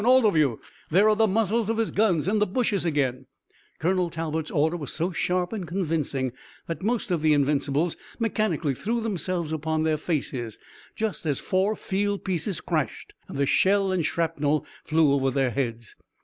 all of you! There are the muzzles of his guns in the bushes again!" Colonel Talbot's order was so sharp and convincing that most of the Invincibles mechanically threw themselves upon their faces, just as four field pieces crashed and the shell and shrapnel flew over their heads.